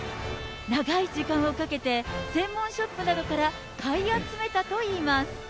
長い時間をかけて、専門ショップなどから買い集めたといいます。